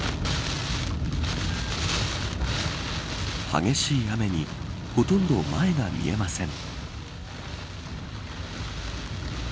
激しい雨にほとんど前が見えません。